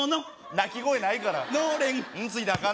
鳴き声ないから「ん」